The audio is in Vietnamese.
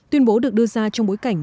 tuyên bố được đưa ra trong bối cảnh